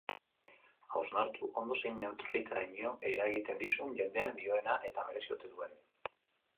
Hausnartu ondo zein neurritaraino eragiten dizun jendeak dioena eta merezi ote duen.